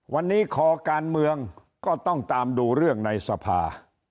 วันนี้คอการเมืองก็ต้องตามดูเรื่องในสภา